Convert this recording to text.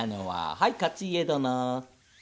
はい勝家殿。